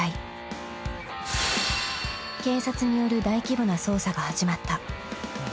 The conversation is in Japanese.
［警察による大規模な捜査が始まった］